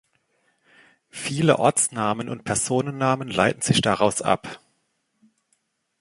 Viele Ortsnamen und Personennamen leiten sich daraus ab.